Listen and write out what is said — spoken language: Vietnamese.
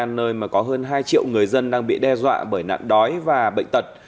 nơi mà có hơn hai triệu người dân đang bị đe dọa bởi nạn đói và bệnh tật